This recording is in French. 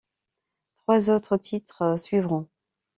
Trois autres titres suivront.